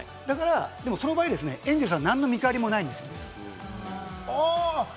その場合、エンゼルスには何の見返りもないんです。